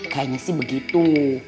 kayanya sih begitu